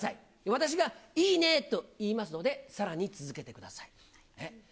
私がいいねと言いますので、さらに続けてください。